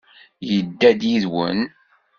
Yedda-d yid-wen?